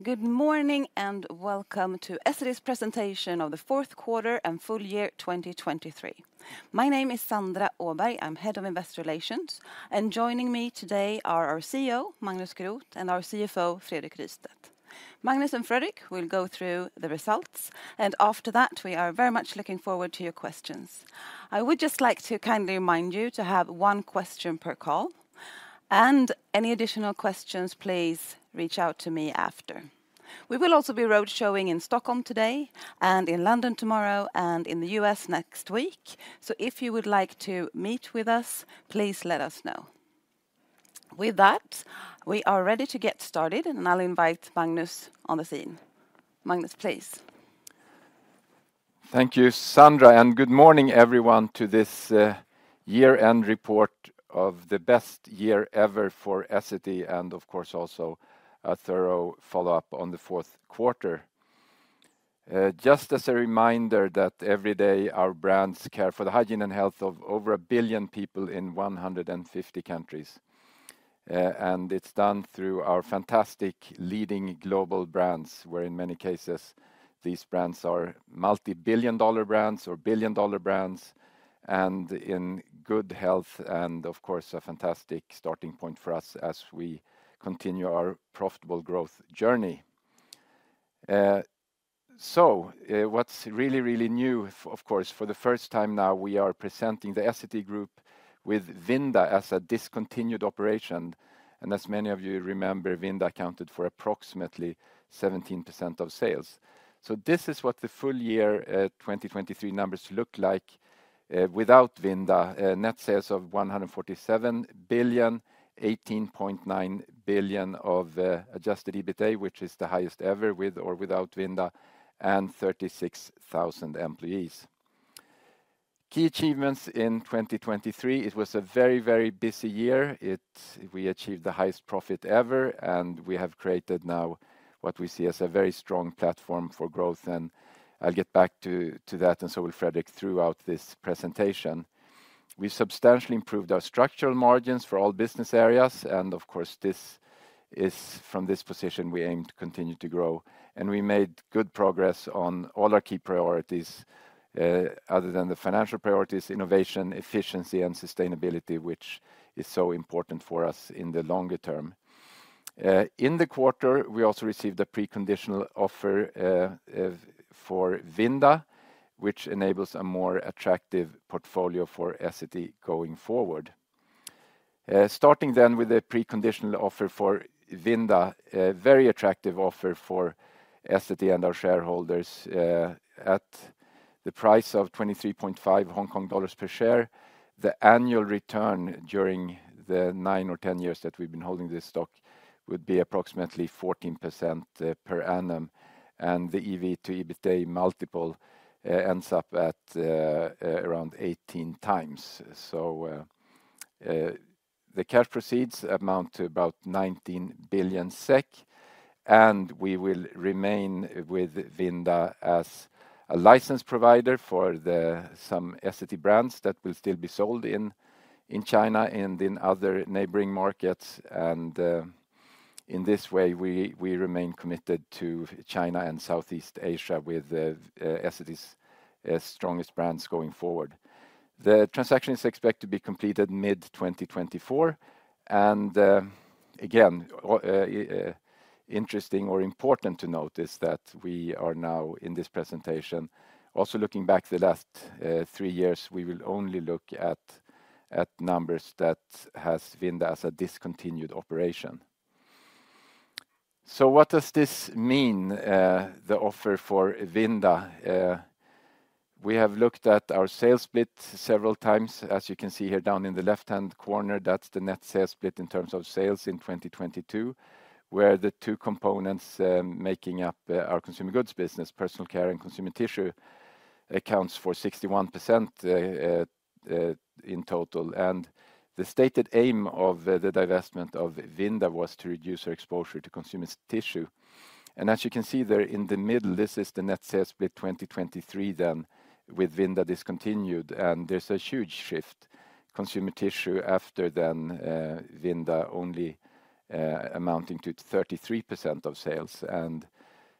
Good morning, and welcome to Essity's presentation of the fourth quarter and full year 2023. My name is Sandra Åberg. I'm Head of Investor Relations, and joining me today are our CEO, Magnus Groth, and our CFO, Fredrik Rystedt. Magnus and Fredrik will go through the results, and after that, we are very much looking forward to your questions. I would just like to kindly remind you to have one question per call, and any additional questions, please reach out to me after. We will also be road showing in Stockholm today, and in London tomorrow, and in the US next week. So if you would like to meet with us, please let us know. With that, we are ready to get started, and I'll invite Magnus on the scene. Magnus, please. Thank you, Sandra, and good morning, everyone, to this year-end report of the best year ever for Essity, and of course, also a thorough follow-up on the fourth quarter. Just as a reminder that every day, our brands care for the hygiene and health of over 1 billion people in 150 countries. And it's done through our fantastic leading global brands, where in many cases, these brands are multi-billion dollar brands or billion dollar brands, and in good health, and of course, a fantastic starting point for us as we continue our profitable growth journey. So, what's really, really new, of course, for the first time now, we are presenting the Essity group with Vinda as a discontinued operation. And as many of you remember, Vinda accounted for approximately 17% of sales. So this is what the full year 2023 numbers look like without Vinda. Net sales of 147 billion, 18.9 billion of adjusted EBITA, which is the highest ever, with or without Vinda, and 36,000 employees. Key achievements in 2023, it was a very, very busy year. We achieved the highest profit ever, and we have created now what we see as a very strong platform for growth, and I'll get back to that, and so will Fredrik, throughout this presentation. We substantially improved our structural margins for all business areas, and of course, this is from this position, we aim to continue to grow. We made good progress on all our key priorities other than the financial priorities, innovation, efficiency, and sustainability, which is so important for us in the longer term. In the quarter, we also received a pre-conditional offer for Vinda, which enables a more attractive portfolio for Essity going forward. Starting then with a pre-conditional offer for Vinda, a very attractive offer for Essity and our shareholders. At the price of 23.5 Hong Kong dollars per share, the annual return during the nine or 10 years that we've been holding this stock would be approximately 14% per annum, and the EV to EBITA multiple ends up at around 18x. So, the cash proceeds amount to about 19 billion SEK, and we will remain with Vinda as a license provider for some Essity brands that will still be sold in China and in other neighboring markets. In this way, we remain committed to China and Southeast Asia with Essity's strongest brands going forward. The transaction is expected to be completed mid-2024, and again, interesting or important to note is that we are now, in this presentation, also looking back the last three years; we will only look at numbers that has Vinda as a discontinued operation. So what does this mean, the offer for Vinda? We have looked at our sales split several times. As you can see here down in the left-hand corner, that's the net sales split in terms of sales in 2022, where the two components making up our Consumer Goods business, Personal Care and Consumer Tissue, accounts for 61% in total. And the stated aim of the divestment of Vinda was to reduce our exposure to Consumer Tissue. And as you can see there in the middle, this is the net sales split 2023 then with Vinda discontinued, and there's a huge shift. Consumer Tissue after then Vinda only amounting to 33% of sales. And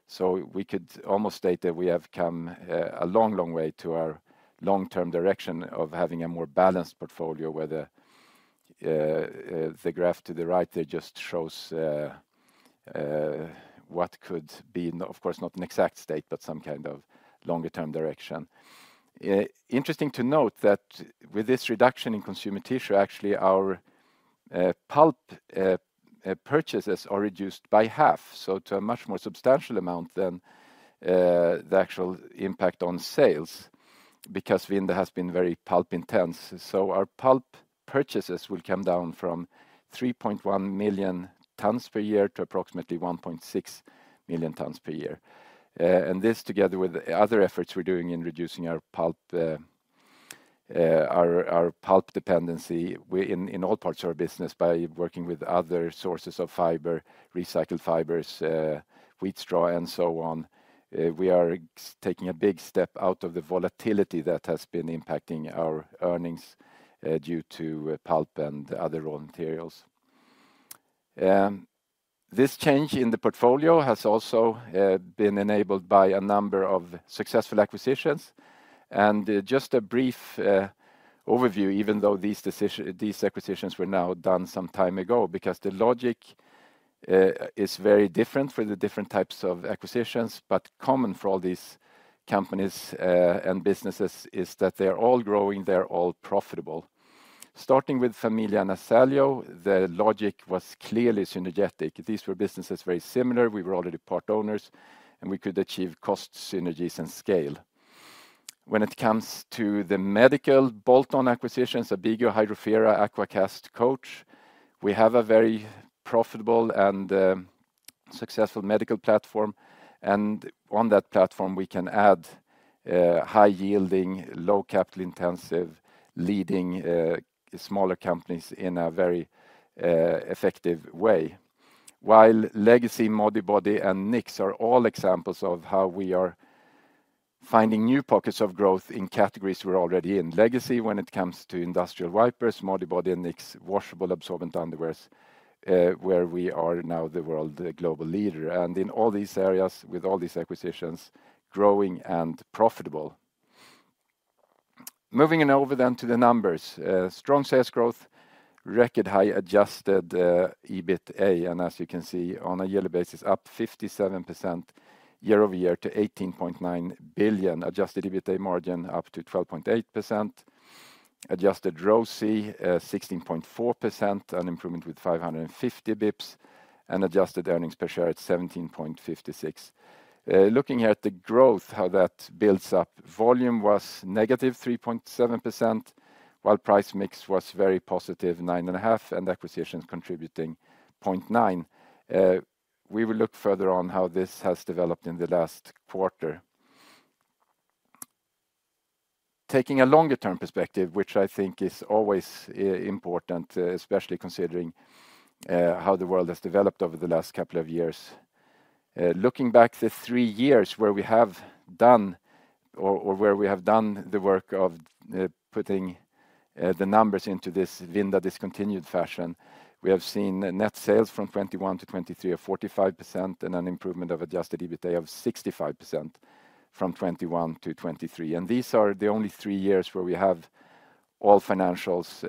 so we could almost state that we have come a long, long way to our long-term direction of having a more balanced portfolio, where the the graph to the right there just shows what could be, of course, not an exact state, but some kind of longer-term direction. Interesting to note that with this reduction in Consumer Tissue, actually, our pulp purchases are reduced by half, so to a much more substantial amount than the actual impact on sales, because Vinda has been very pulp intense. So our pulp purchases will come down from 3.1 million tons per year to approximately 1.6 million tons per year. And this, together with other efforts we're doing in reducing our pulp, our pulp dependency. In all parts of our business by working with other sources of fiber, recycled fibers, wheat straw, and so on. We are taking a big step out of the volatility that has been impacting our earnings, due to pulp and other raw materials. This change in the portfolio has also been enabled by a number of successful acquisitions. And just a brief overview, even though these acquisitions were now done some time ago, because the logic is very different for the different types of acquisitions, but common for all these companies and businesses is that they are all growing, they're all profitable. Starting with Familia and Asaleo, the logic was clearly synergetic. These were businesses very similar. We were already part owners, and we could achieve cost synergies and scale. When it comes to the Medical bolt-on acquisitions, Abigo, Hydrofera, AquaCast, Coach, we have a very profitable and successful Medical platform, and on that platform, we can add high-yielding, low capital intensive, leading smaller companies in a very effective way. While Legacy, Modibodi, and Knix are all examples of how we are finding new pockets of growth in categories we're already in. Legacy, when it comes to industrial wipers, Modibodi and Knix, washable, absorbent underwears, where we are now the world's global leader, and in all these areas, with all these acquisitions, growing and profitable. Moving on over then to the numbers, a strong sales growth, record high adjusted EBITA, and as you can see, on a yearly basis, up 57%, year-over-year to 18.9 billion. Adjusted EBITA margin up to 12.8%. Adjusted ROCE, 16.4%, an improvement with 550 basis points, and adjusted earnings per share at 17.56. Looking at the growth, how that builds up, volume was -3.7%, while price mix was very positive, 9.5, and acquisitions contributing 0.9. We will look further on how this has developed in the last quarter. Taking a longer-term perspective, which I think is always important, especially considering how the world has developed over the last couple of years. Looking back the 3 years where we have done the work of putting the numbers into this Vinda discontinued fashion, we have seen net sales from 2021 to 2023 of 45%, and an improvement of adjusted EBITA of 65% from 2021 to 2023. These are the only 3 years where we have all financials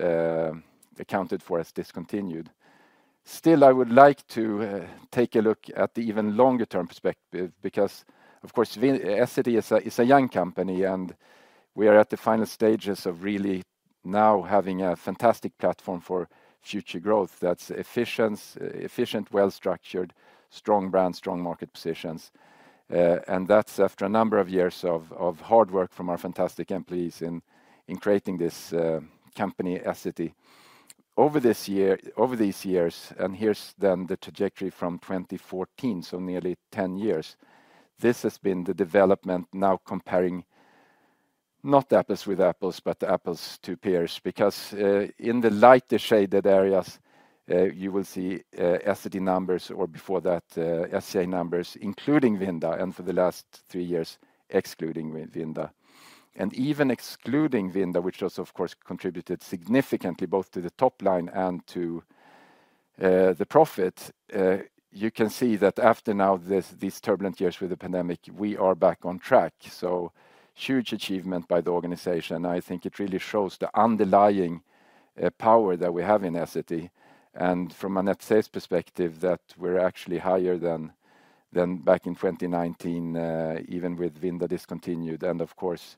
accounted for as discontinued. Still, I would like to take a look at the even longer term perspective, because, of course, Essity is a young company, and we are at the final stages of really now having a fantastic platform for future growth that's efficient, efficient, well-structured, strong brand, strong market positions. And that's after a number of years of hard work from our fantastic employees in creating this company, Essity. Over these years, and here's then the trajectory from 2014, so nearly 10 years, this has been the development now comparing not apples with apples, but apples to pears, because in the lighter shaded areas you will see Essity numbers, or before that SCA numbers, including Vinda, and for the last 3 years, excluding Vinda. Even excluding Vinda, which also, of course, contributed significantly, both to the top line and to the profit, you can see that after now, this, these turbulent years with the pandemic, we are back on track. So huge achievement by the organization. I think it really shows the underlying power that we have in Essity, and from a net sales perspective, that we're actually higher than back in 2019, even with Vinda discontinued. And of course,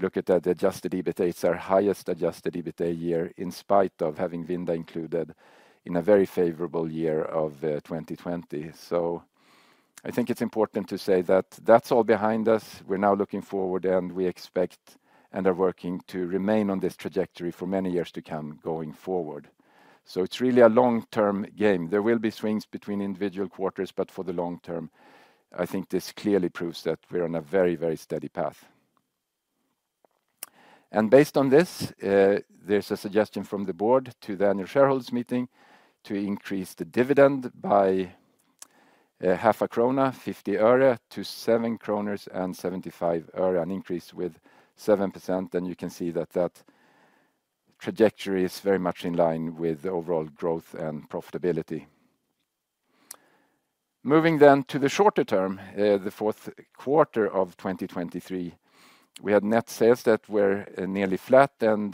look at that, the Adjusted EBITA, it's our highest Adjusted EBITA year, in spite of having Vinda included in a very favorable year of 2020. So I think it's important to say that that's all behind us. We're now looking forward, and we expect, and are working to remain on this trajectory for many years to come going forward. So it's really a long-term game. There will be swings between individual quarters, but for the long term, I think this clearly proves that we're on a very, very steady path. And based on this, there's a suggestion from the board to the annual shareholders meeting to increase the dividend by SEK 0.5, 50 öre, to SEK 7.75, an increase of 7%, and you can see that that trajectory is very much in line with the overall growth and profitability. Moving then to the shorter term, the fourth quarter of 2023, we had net sales that were nearly flat, and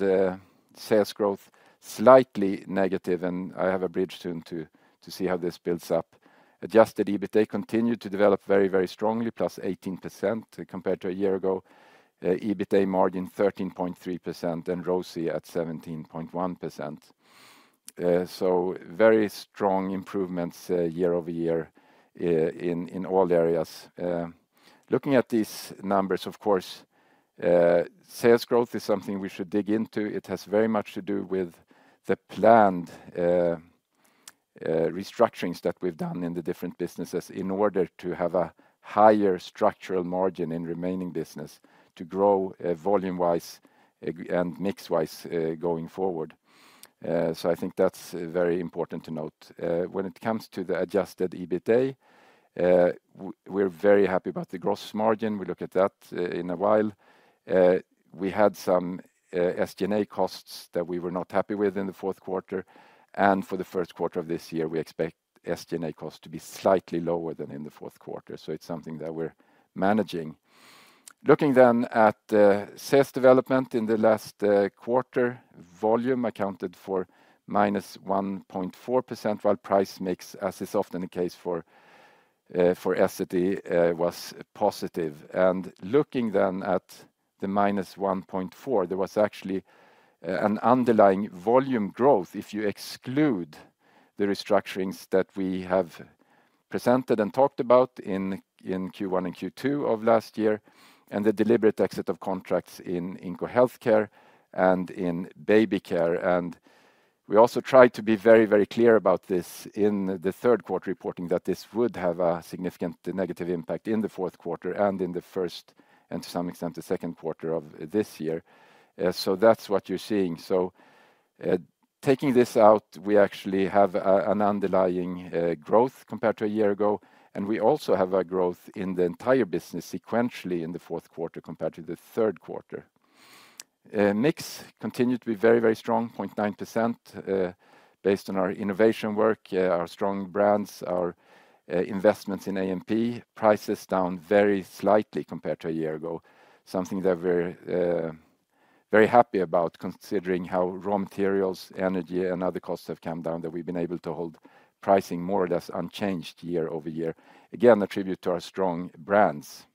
sales growth slightly negative, and I have a bridge soon to see how this builds up. Adjusted EBITA continued to develop very, very strongly, +18% compared to a year ago, EBITA margin 13.3%, and ROCE at 17.1%. So very strong improvements year-over-year in all areas. Looking at these numbers, of course, sales growth is something we should dig into. It has very much to do with the planned restructurings that we've done in the different businesses in order to have a higher structural margin in remaining business to grow volume-wise and mix-wise going forward. So I think that's very important to note. When it comes to the adjusted EBITA, we're very happy about the gross margin. We look at that in a while. We had some SG&A costs that we were not happy with in the fourth quarter, and for the first quarter of this year, we expect SG&A costs to be slightly lower than in the fourth quarter. So it's something that we're managing. Looking then at sales development in the last quarter, volume accounted for -1.4%, while price mix, as is often the case for Essity, was positive. And looking then at the -1.4%, there was actually an underlying volume growth if you exclude the restructurings that we have presented and talked about in Q1 and Q2 of last year, and the deliberate exit of contracts in healthcare and in Baby Care. We also tried to be very, very clear about this in the third quarter reporting, that this would have a significant negative impact in the fourth quarter and in the first, and to some extent, the second quarter of this year. So that's what you're seeing. Taking this out, we actually have an underlying growth compared to a year ago, and we also have a growth in the entire business sequentially in the fourth quarter compared to the third quarter. Mix continued to be very, very strong, 0.9%, based on our innovation work, yeah, our strong brands, our investments in A&P. Price is down very slightly compared to a year ago, something that we're very happy about, considering how raw materials, energy, and other costs have come down, that we've been able to hold pricing more or less unchanged year-over-year. Again, attribute to our strong brands.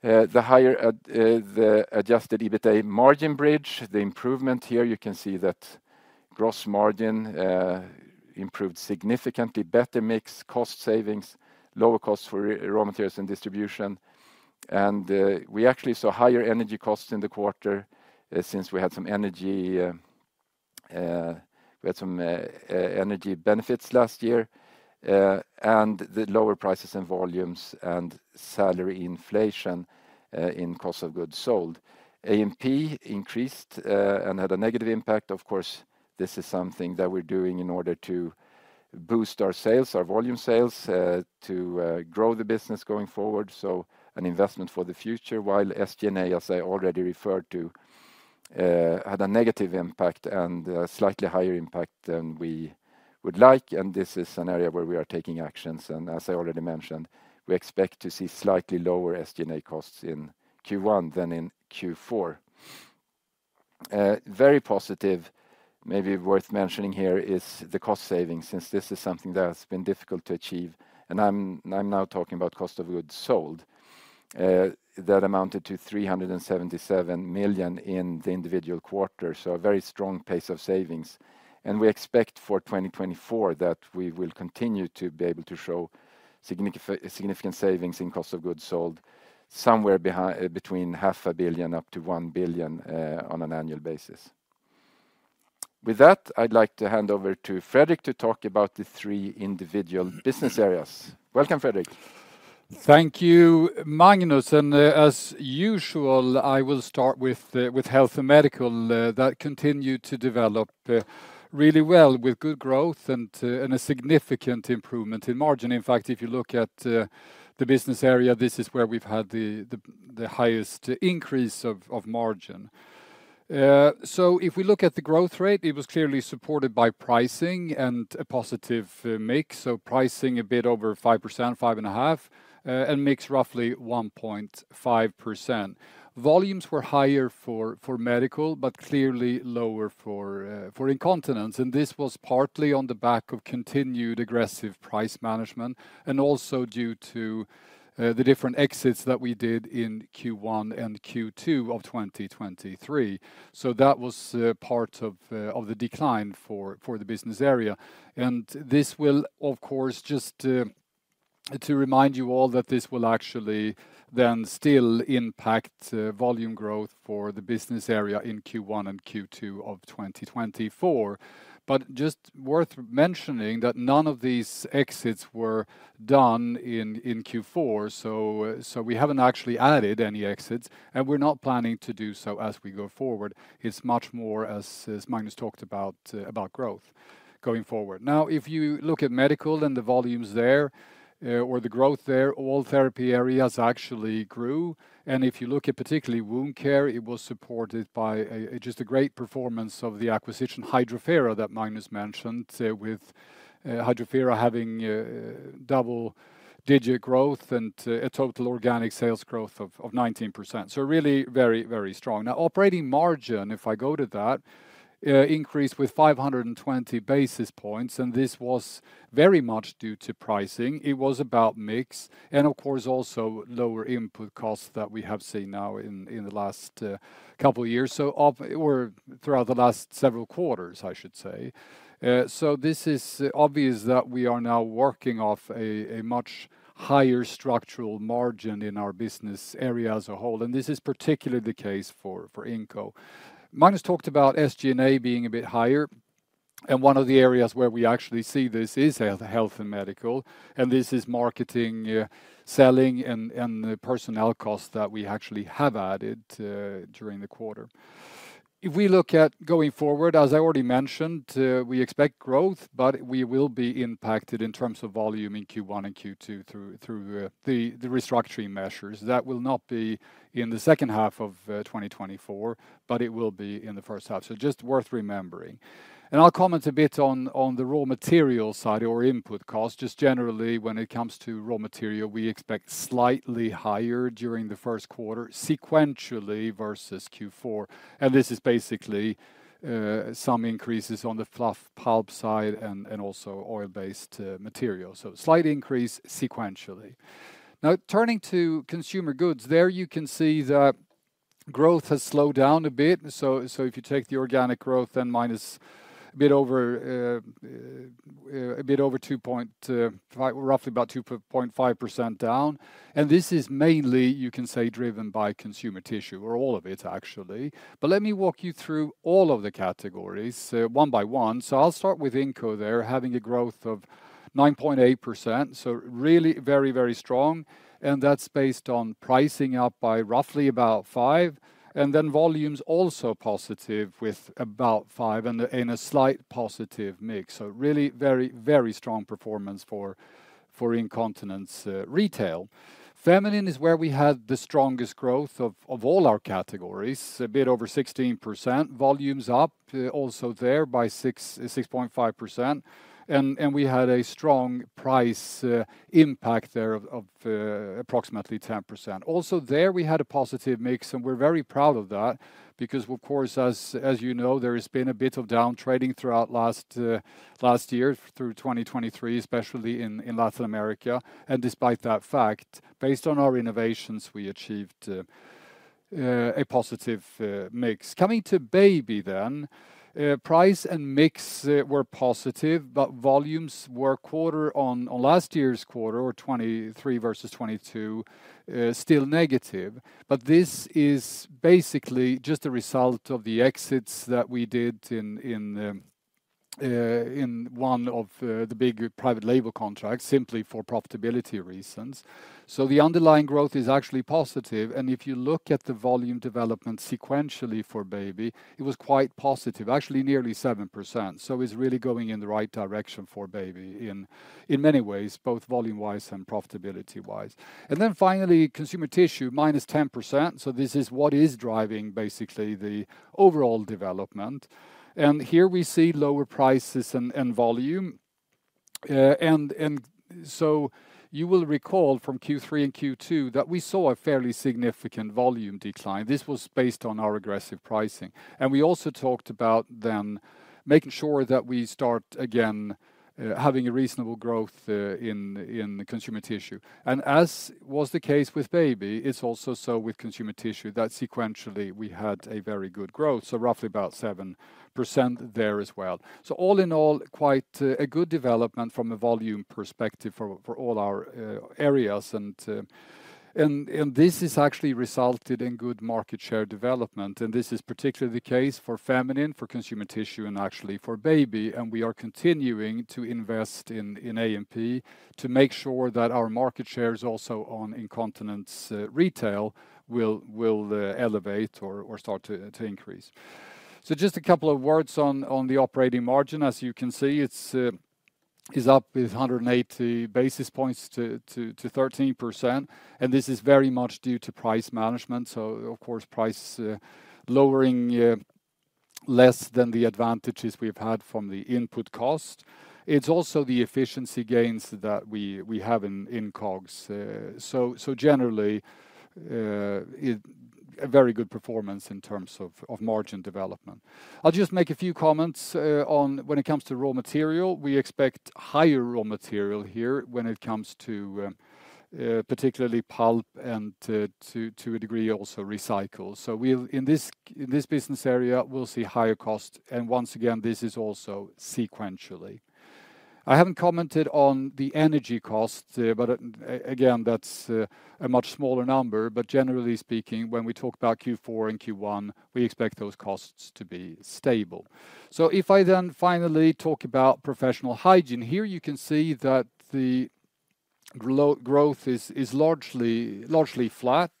The higher, the adjusted EBITA margin bridge, the improvement here, you can see that gross margin improved significantly, better mix, cost savings, lower costs for raw materials and distribution. And we actually saw higher energy costs in the quarter, since we had some energy benefits last year. And the lower prices and volumes and salary inflation in cost of goods sold. A&P increased and had a negative impact. Of course, this is something that we're doing in order to boost our sales, our volume sales, to grow the business going forward, so an investment for the future. While SG&A, as I already referred to, had a negative impact and a slightly higher impact than we would like, and this is an area where we are taking actions. And as I already mentioned, we expect to see slightly lower SG&A costs in Q1 than in Q4. Very positive, maybe worth mentioning here, is the cost savings, since this is something that's been difficult to achieve, and I'm now talking about cost of goods sold. That amounted to 377 million in the individual quarter, so a very strong pace of savings. We expect for 2024 that we will continue to be able to show significant savings in cost of goods sold, somewhere between 500 million and 1 billion on an annual basis. With that, I'd like to hand over to Fredrik to talk about the three individual business areas. Welcome, Fredrik. Thank you, Magnus, and, as usual, I will start with, with Health & Medical. That continued to develop, really well, with good growth and, and a significant improvement in margin. In fact, if you look at, the business area, this is where we've had the, the, the highest increase of, of margin. So if we look at the growth rate, it was clearly supported by pricing and a positive mix, so pricing a bit over 5%, 5.5, and mix roughly 1.5%. Volumes were higher for, for Medical, but clearly lower for, for Incontinence, and this was partly on the back of continued aggressive price management, and also due to, the different exits that we did in Q1 and Q2 of 2023. So that was part of the decline for the business area. And this will, of course, just to remind you all that this will actually then still impact volume growth for the business area in Q1 and Q2 of 2024. But just worth mentioning that none of these exits were done in Q4, so we haven't actually added any exits, and we're not planning to do so as we go forward. It's much more, as Magnus talked about, about growth going forward. Now, if you look at Medical and the volumes there, or the growth there, all therapy areas actually grew. And if you look at particularly wound care, it was supported by just a great performance of the acquisition, Hydrofera, that Magnus mentioned, with Hydrofera having double-digit growth and a total organic sales growth of 19%. So really very, very strong. Now, operating margin, if I go to that, increased with 520 basis points, and this was very much due to pricing. It was about mix, and of course, also lower input costs that we have seen now in the last couple of years, so or throughout the last several quarters, I should say. So this is obvious that we are now working off a much higher structural margin in our business area as a whole, and this is particularly the case for Inco. Magnus talked about SG&A being a bit higher. And one of the areas where we actually see this is Health & Medical, and this is marketing, selling and the personnel costs that we actually have added during the quarter. If we look at going forward, as I already mentioned, we expect growth, but we will be impacted in terms of volume in Q1 and Q2 through the restructuring measures. That will not be in the second half of 2024, but it will be in the first half. So just worth remembering. And I'll comment a bit on the raw material side or input cost. Just generally, when it comes to raw material, we expect slightly higher during the first quarter, sequentially versus Q4, and this is basically some increases on the fluff pulp side and also oil-based material. So slight increase sequentially. Now, turning to Consumer Goods, there you can see the growth has slowed down a bit. So if you take the organic growth, then minus a bit over a bit over 2.5--roughly about 2.5% down, and this is mainly, you can say, driven by Consumer Tissue or all of it, actually. But let me walk you through all of the categories, one by one. So I'll start with Inco there, having a growth of 9.8%, so really very, very strong, and that's based on pricing up by roughly about five, and then volumes also positive with about five and a, and a slight positive mix. So really very, very strong performance for, for Incontinence Retail. Feminine is where we had the strongest growth of, of all our categories, a bit over 16%. Volumes up, also there by 6.5%, and we had a strong price impact there of approximately 10%. Also there, we had a positive mix, and we're very proud of that because, of course, as you know, there has been a bit of downtrading throughout last year, through 2023, especially in Latin America. Despite that fact, based on our innovations, we achieved a positive mix. Coming to Baby then, price and mix were positive, but volumes were quarter on last year's quarter or 2023 versus 2022, still negative. But this is basically just a result of the exits that we did in one of the big private label contracts, simply for profitability reasons. So the underlying growth is actually positive, and if you look at the volume development sequentially for Baby, it was quite positive, actually nearly 7%. So it's really going in the right direction for Baby in many ways, both volume-wise and profitability-wise. And then finally, Consumer Tissue, minus 10%. So this is what is driving basically the overall development. And here we see lower prices and volume. And so you will recall from Q3 and Q2 that we saw a fairly significant volume decline. This was based on our aggressive pricing. And we also talked about then making sure that we start again having a reasonable growth in Consumer Tissue. And as was the case with Baby, it's also so with Consumer Tissue, that sequentially we had a very good growth, so roughly about 7% there as well. So all in all, quite a good development from a volume perspective for all our areas. And this has actually resulted in good market share development, and this is particularly the case for Feminine, for Consumer Tissue, and actually for Baby. And we are continuing to invest in A&P to make sure that our market share is also Incontinence Retail will elevate or start to increase. So just a couple of words on the operating margin. As you can see, it's up 180 basis points to 13%, and this is very much due to price management, so of course, price lowering less than the advantages we've had from the input cost. It's also the efficiency gains that we have in COGS. So generally, a very good performance in terms of margin development. I'll just make a few comments on when it comes to raw material. We expect higher raw material here when it comes to particularly pulp and to a degree, also recycled. So in this business area, we'll see higher cost, and once again, this is also sequentially. I haven't commented on the energy cost, but again, that's a much smaller number. But generally speaking, when we talk about Q4 and Q1, we expect those costs to be stable. So if I then finally talk about Professional Hygiene, here you can see that the growth is largely flat,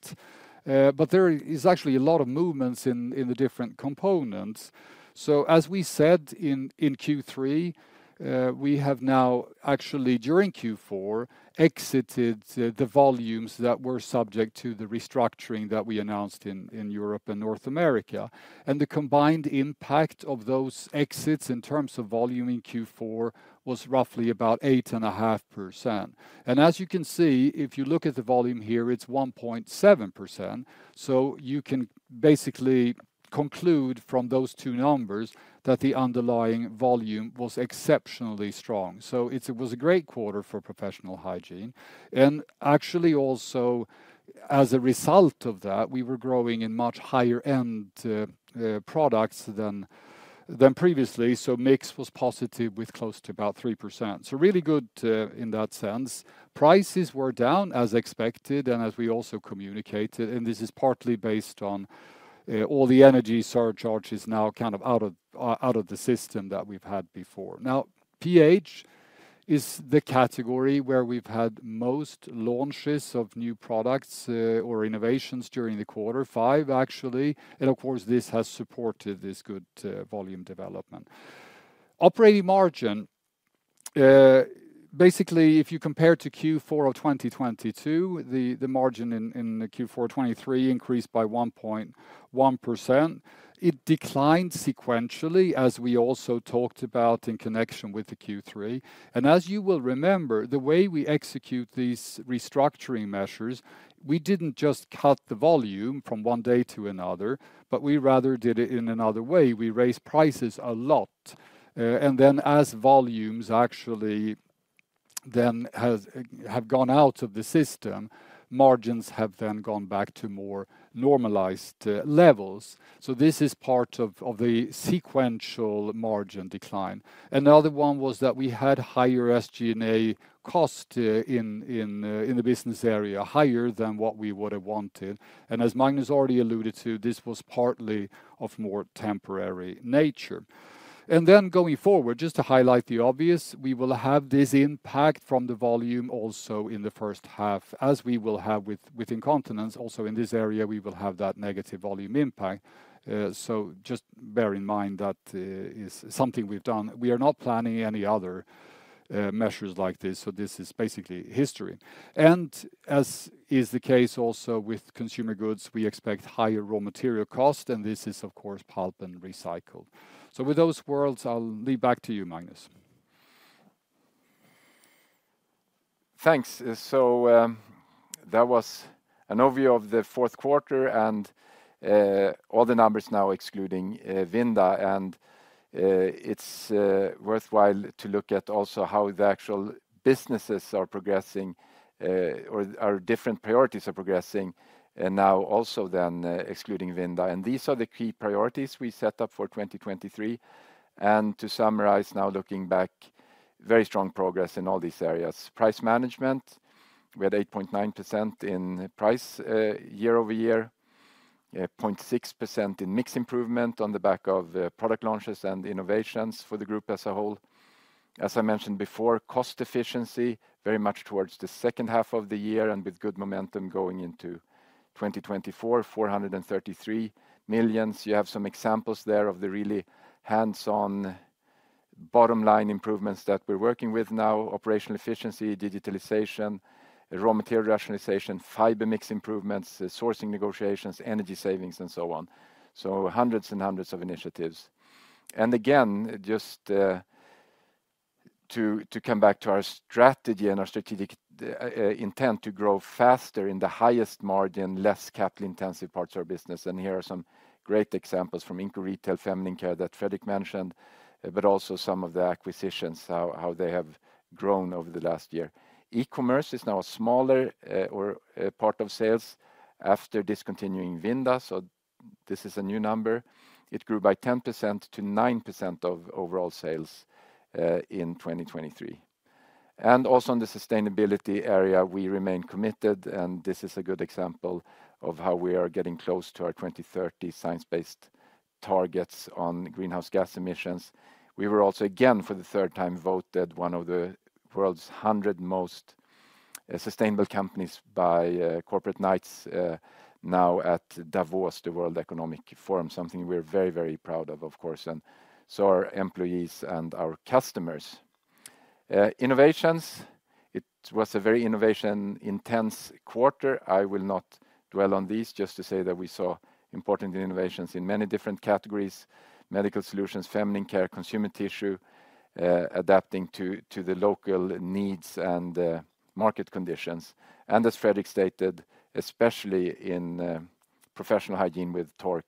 but there is actually a lot of movements in the different components. So as we said in Q3, we have now, actually during Q4, exited the volumes that were subject to the restructuring that we announced in Europe and North America. And the combined impact of those exits in terms of volume in Q4 was roughly about 8.5%. And as you can see, if you look at the volume here, it's 1.7%, so you can basically conclude from those two numbers that the underlying volume was exceptionally strong. So it's, it was a great quarter for Professional Hygiene. And actually, also, as a result of that, we were growing in much higher-end products than previously, so mix was positive with close to about 3%. So really good in that sense. Prices were down as expected and as we also communicated, and this is partly based on all the energy surcharges now kind of out of the system that we've had before. Now, PH is the category where we've had most launches of new products or innovations during the quarter, five actually. And of course, this has supported this good volume development. Operating margin basically, if you compare to Q4 of 2022, the margin in Q4 2023 increased by 1.1%. It declined sequentially, as we also talked about in connection with the Q3. And as you will remember, the way we execute these restructuring measures, we didn't just cut the volume from one day to another, but we rather did it in another way. We raised prices a lot, and then as volumes actually then have gone out of the system, margins have then gone back to more normalized levels. So this is part of the sequential margin decline. Another one was that we had higher SG&A cost in the business area, higher than what we would have wanted. And as Magnus already alluded to, this was partly of more temporary nature. And then going forward, just to highlight the obvious, we will have this impact from the volume also in the first half, as we will have with Incontinence. Also in this area, we will have that negative volume impact. So just bear in mind that is something we've done. We are not planning any other measures like this, so this is basically history. As is the case also with Consumer Goods, we expect higher raw material cost, and this is, of course, pulp and recycled. With those words, I'll leave back to you, Magnus. Thanks. So, that was an overview of the fourth quarter and all the numbers now excluding Vinda. It's worthwhile to look at also how the actual businesses are progressing or our different priorities are progressing, and now also then excluding Vinda. These are the key priorities we set up for 2023. To summarize now, looking back, very strong progress in all these areas. Price management, we had 8.9% in price year-over-year, 0.6% in mix improvement on the back of product launches and innovations for the group as a whole. As I mentioned before, cost efficiency, very much towards the second half of the year and with good momentum going into 2024, 433 million. You have some examples there of the really hands-on bottom line improvements that we're working with now: operational efficiency, digitalization, raw material rationalization, fiber mix improvements, sourcing negotiations, energy savings, and so on. So hundreds and hundreds of initiatives. And again, just, to come back to our strategy and our strategic intent to grow faster in the highest margin, less capital-intensive parts of our business. And here are some great examples from Inco Retail, Feminine Care that Fredrik mentioned, but also some of the acquisitions, how they have grown over the last year. E-commerce is now a smaller, or a part of sales after discontinuing Vinda, so this is a new number. It grew by 10% to 9% of overall sales in 2023. And also in the sustainability area, we remain committed, and this is a good example of how we are getting close to our 2030 science-based targets on greenhouse gas emissions. We were also, again, for the third time, voted one of the world's 100 most sustainable companies by Corporate Knights now at Davos, the World Economic Forum, something we're very, very proud of, of course, and so are our employees and our customers. Innovations, it was a very innovation-intense quarter. I will not dwell on these just to say that we saw important innovations in many different categories: Medical Solutions, Feminine Care, Consumer Tissue adapting to the local needs and market conditions. As Fredrik stated, especially in Professional Hygiene with Tork,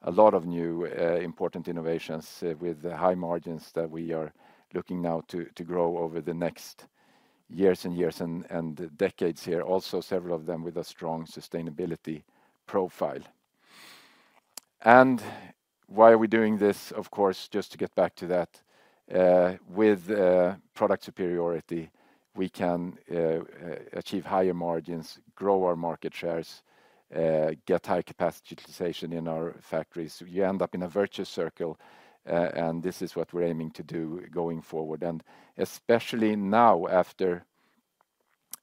a lot of new important innovations with high margins that we are looking now to grow over the next years and years and decades here. Also, several of them with a strong sustainability profile. Why are we doing this? Of course, just to get back to that, with product superiority, we can achieve higher margins, grow our market shares, get high capacity utilization in our factories. You end up in a virtuous circle, and this is what we're aiming to do going forward. And especially now, after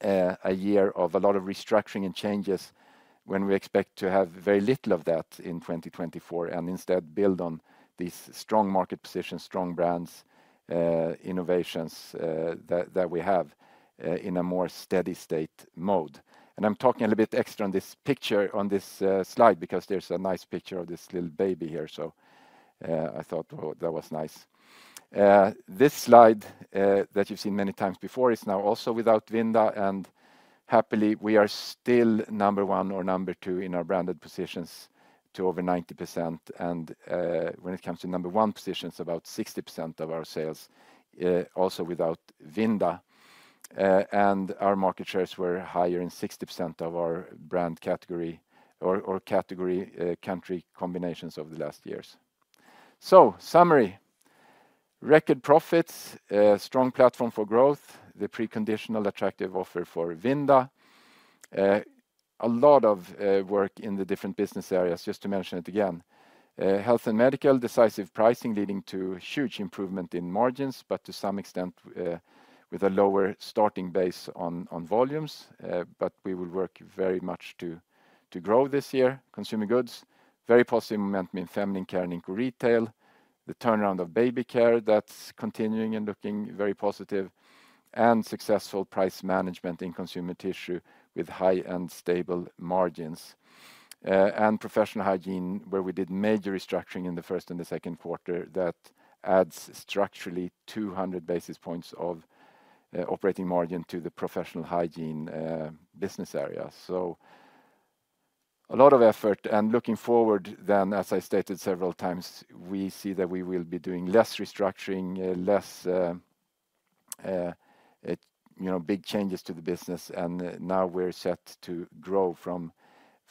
a year of a lot of restructuring and changes, when we expect to have very little of that in 2024, and instead build on these strong market positions, strong brands, innovations, that we have in a more steady state mode. And I'm talking a little bit extra on this picture, on this slide because there's a nice picture of this little Baby here, so I thought, oh, that was nice. This slide that you've seen many times before, is now also without Vinda, and happily, we are still number one or number two in our branded positions to over 90%. And when it comes to number one positions, about 60% of our sales, also without Vinda. And our market shares were higher in 60% of our brand category or category country combinations over the last years. So, summary: record profits, a strong platform for growth, the preconditional attractive offer for Vinda. A lot of work in the different business areas, just to mention it again. Health & Medical: decisive pricing, leading to huge improvement in margins, but to some extent with a lower starting base on volumes. But we will work very much to grow this year. Consumer Goods: very positive momentum in Feminine Care and Inco Retail. The turnaround of Baby Care: that's continuing and looking very positive, and successful price management in Consumer Tissue with high and stable margins. And Professional Hygiene, where we did major restructuring in the first and the second quarter, that adds structurally 200 basis points of operating margin to the Professional Hygiene business area. So a lot of effort, and looking forward then, as I stated several times, we see that we will be doing less restructuring, less you know, big changes to the business. And now we're set to grow from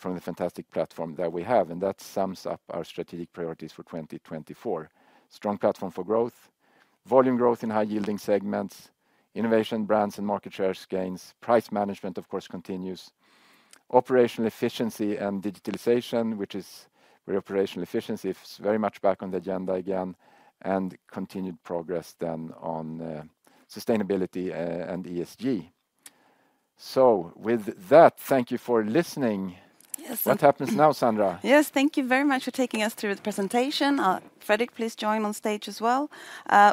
the fantastic platform that we have, and that sums up our strategic priorities for 2024. Strong platform for growth, volume growth in high-yielding segments, innovation, brands, and market shares gains. Price management, of course, continues. Operational efficiency and digitalization, which is where operational efficiency is very much back on the agenda again, and continued progress then on sustainability and ESG. So with that, thank you for listening. Yes. What happens now, Sandra Åberg? Yes, thank you very much for taking us through the presentation. Fredrik, please join on stage as well.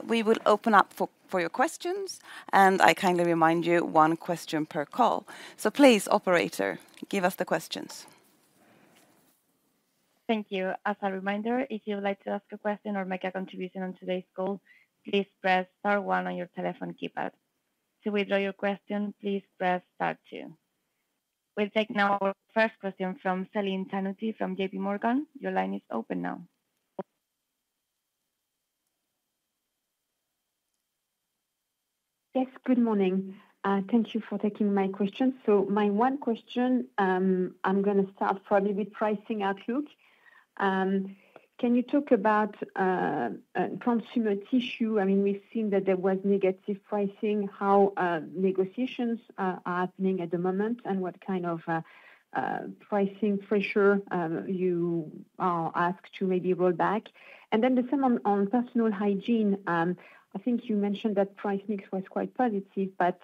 We will open up for your questions, and I kindly remind you, one question per call. Please, operator, give us the questions. Thank you. As a reminder, if you would like to ask a question or make a contribution on today's call, please press star one on your telephone keypad. To withdraw your question, please press star two. We'll take now our first question from Celine Pannuti from JPMorgan. Your line is open now. Yes, good morning. Thank you for taking my question. So my one question, I'm gonna start probably with pricing outlook. Can you talk about Consumer Tissue? I mean, we've seen that there was negative pricing, how negotiations are happening at the moment, and what kind of pricing pressure you are asked to maybe roll back? And then the second one on personal hygiene. I think you mentioned that price mix was quite positive, but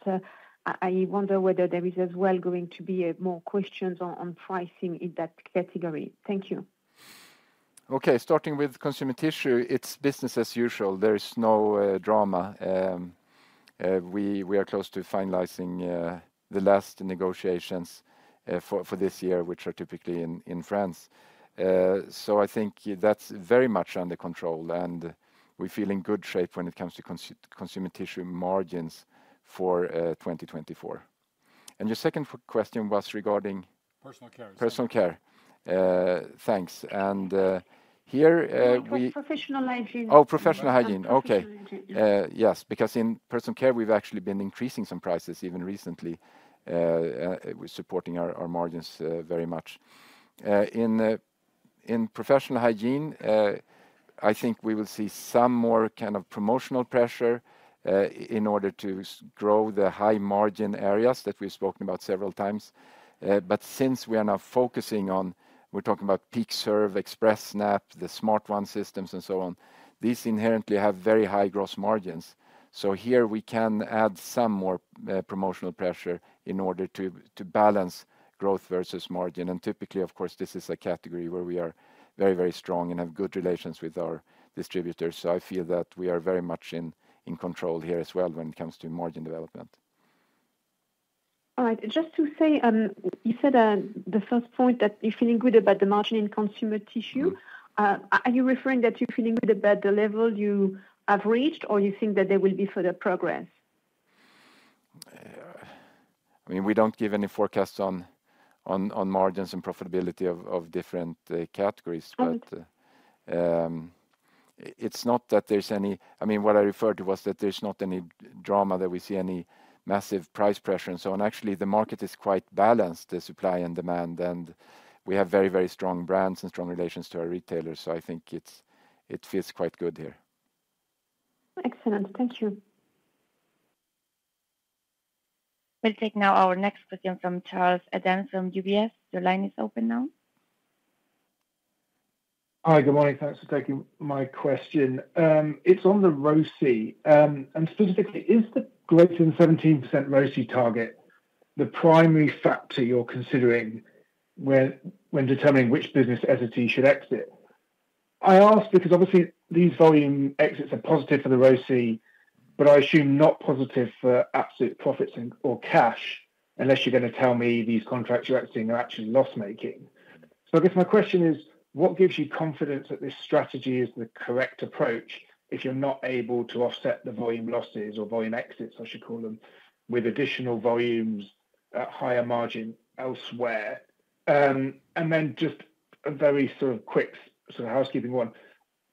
I wonder whether there is as well going to be more questions on pricing in that category. Thank you. Okay, starting with Consumer Tissue, it's business as usual. There is no drama. We are close to finalizing the last negotiations for this year, which are typically in France. So I think that's very much under control, and we feel in good shape when it comes to Consumer Tissue margins for 2024. And your second question was regarding? Personal Care. Personal Care. Thanks. And here, we- No, it was Professional Hygiene. Oh, Professional Hygiene. Professional Hygiene. Okay. Yes, because in Personal Care, we've actually been increasing some prices even recently, supporting our, our margins very much. In Professional Hygiene, I think we will see some more kind of promotional pressure in order to grow the high-margin areas that we've spoken about several times. But since we are now focusing on... We're talking about PeakServe, Xpressnap, the SmartOne systems, and so on, these inherently have very high gross margins. So here we can add some more promotional pressure in order to balance growth versus margin. And typically, of course, this is a category where we are very, very strong and have good relations with our distributors. So I feel that we are very much in control here as well when it comes to margin development. All right. Just to say, you said, the first point, that you're feeling good about the margin in Consumer Tissue. Mm-hmm. Are you referring that you're feeling good about the level you have reached, or you think that there will be further progress? I mean, we don't give any forecasts on margins and profitability of different categories. Mm. But, it's not that there's any. I mean, what I referred to was that there's not any drama, that we see any massive price pressure and so on. Actually, the market is quite balanced, the supply and demand, and we have very, very strong brands and strong relations to our retailers. So I think it feels quite good here. Excellent. Thank you. We'll take now our next question from Charles Eden from UBS. Your line is open now. Hi, good morning. Thanks for taking my question. It's on the ROCE. And specifically, is the greater than 17% ROCE target the primary factor you're considering when determining which business entity should exit? I ask because, obviously, these volume exits are positive for the ROCE, but I assume not positive for absolute profits and/or cash, unless you're gonna tell me these contracts you're exiting are actually loss-making. So I guess my question is, what gives you confidence that this strategy is the correct approach if you're not able to offset the volume losses or volume exits, I should call them, with additional volumes at higher margin elsewhere? And then just a very sort of quick sort of housekeeping one.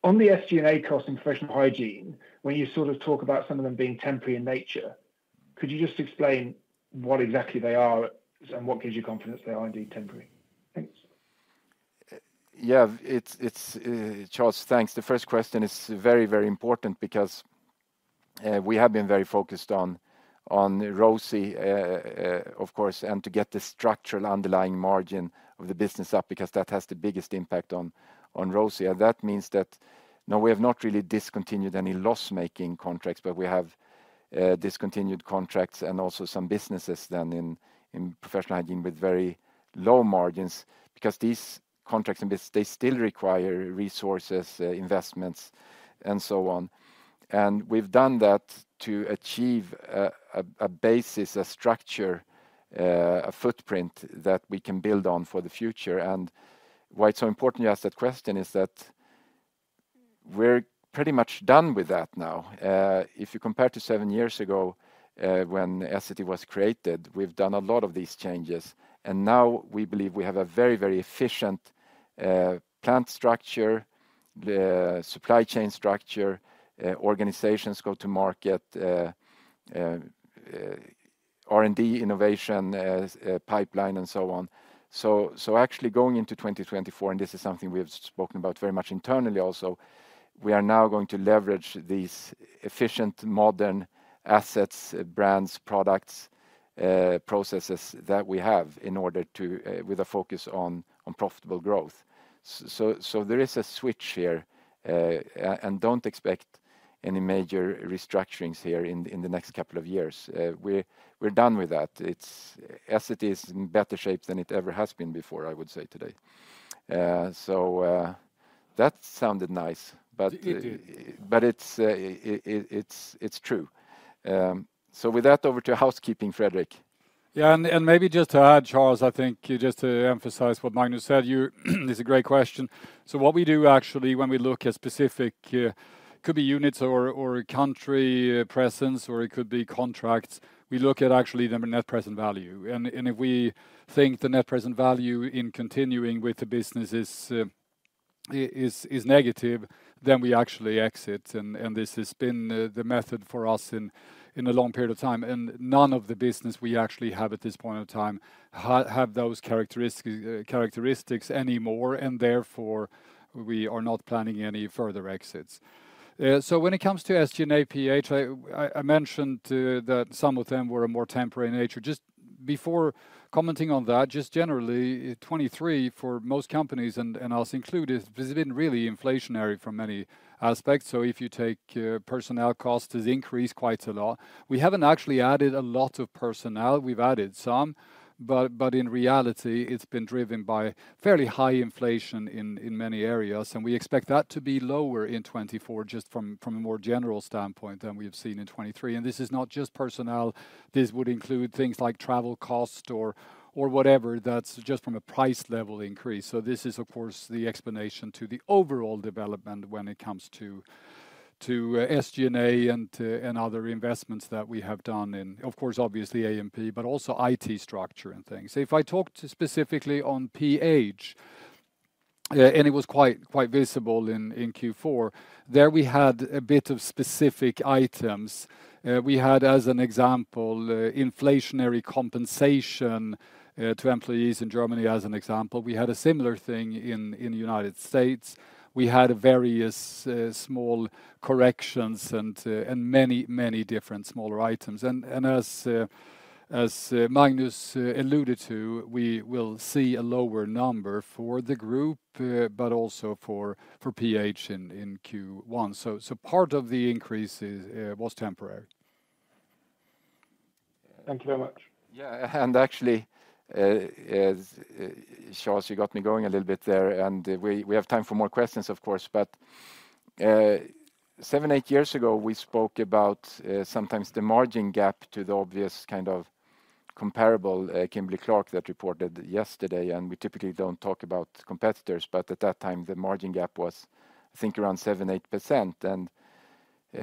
On the SG&A cost in Professional Hygiene, when you sort of talk about some of them being temporary in nature, could you just explain what exactly they are and what gives you confidence they are indeed temporary? Thanks.... Yeah, it's Charles, thanks. The first question is very, very important because we have been very focused on ROCE, of course, and to get the structural underlying margin of the business up, because that has the biggest impact on ROCE. And that means that, no, we have not really discontinued any loss-making contracts, but we have discontinued contracts and also some businesses then in Professional Hygiene with very low margins. Because these contracts and businesses they still require resources, investments, and so on. And we've done that to achieve a basis, a structure, a footprint that we can build on for the future. And why it's so important you ask that question is that we're pretty much done with that now. If you compare to seven years ago, when Essity was created, we've done a lot of these changes, and now we believe we have a very, very efficient plant structure, supply chain structure, organizations go to market, R&D, innovation, pipeline, and so on. So, actually going into 2024, and this is something we have spoken about very much internally also, we are now going to leverage these efficient modern assets, brands, products, processes that we have in order to... With a focus on profitable growth. So, there is a switch here, and don't expect any major restructurings here in the next couple of years. We're, we're done with that. Essity is in better shape than it ever has been before, I would say today. That sounded nice, but- It did... but it's true. So with that, over to housekeeping, Fredrik. Yeah, and maybe just to add, Charles, I think just to emphasize what Magnus said, you it's a great question. So what we do actually, when we look at specific, could be units or a country presence, or it could be contracts, we look at actually the net present value. And if we think the net present value in continuing with the business is negative, then we actually exit, and this has been the method for us in a long period of time. And none of the business we actually have at this point of time have those characteristics anymore, and therefore, we are not planning any further exits. So when it comes to SG&A, I mentioned that some of them were a more temporary nature. Just before commenting on that, just generally, 2023, for most companies, and, and us included, has been really inflationary from many aspects. So if you take, personnel costs, has increased quite a lot. We haven't actually added a lot of personnel. We've added some, but, but in reality, it's been driven by fairly high inflation in, in many areas, and we expect that to be lower in 2024, just from, from a more general standpoint than we have seen in 2023. And this is not just personnel. This would include things like travel costs or, or whatever, that's just from a price level increase. So this is, of course, the explanation to the overall development when it comes to, to, SG&A and to- and other investments that we have done, and of course, obviously, A&P, but also IT structure and things. So if I talk to specifically on PH, and it was quite, quite visible in Q4, there we had a bit of specific items. We had, as an example, inflationary compensation to employees in Germany, as an example. We had a similar thing in the United States. We had various small corrections and many, many different smaller items. And as Magnus alluded to, we will see a lower number for the group, but also for PH in Q1. So part of the increase is, was temporary. Thank you very much. Yeah, and actually, as Charles, you got me going a little bit there, and we have time for more questions, of course. But seven-eight years ago, we spoke about sometimes the margin gap to the obvious kind of comparable, Kimberly-Clark that reported yesterday, and we typically don't talk about competitors, but at that time, the margin gap was, I think, around 7-8%. And